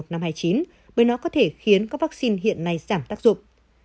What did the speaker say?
năm hai mươi chín bởi nó có thể khiến các vaccine hiện nay giảm tác dụng